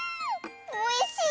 おいしい！